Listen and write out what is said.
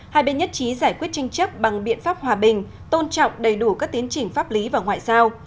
hai bên nhất trí giải quyết tranh chấp bằng biện pháp hòa bình tôn trọng đầy đủ các tiến chỉnh pháp lý và ngoại giao